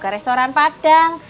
kan semalam mama udah bilang